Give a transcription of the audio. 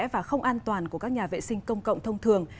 và không an toàn của các nhà vệ sinh công cộng thông thường